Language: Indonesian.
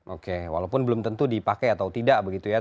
oke walaupun belum tentu dipakai atau tidak begitu ya